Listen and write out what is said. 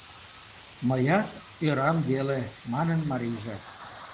— Мыят ӧрам веле, — манын марийже.